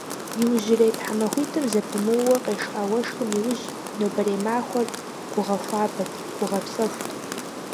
Иужьрей тхьэмахуитӏым зэпымыууэ къешха уэшхым иужь, нобэрей махуэр гугъэхуабэт, гугъэпсэхут.